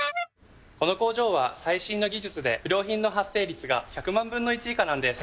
この工場は最新の技術で不良品の発生率が１００万分の１以下なんです。